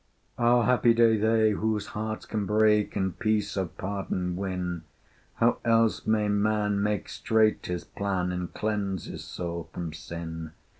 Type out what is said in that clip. Ah! happy day they whose hearts can break And peace of pardon win! How else may man make straight his plan And cleanse his soul from Sin?